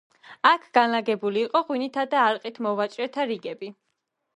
აქ განლაგებული იყო ღვინითა და არყით მოვაჭრეთა რიგები.